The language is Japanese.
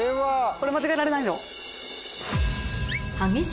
これ間違えられないよ。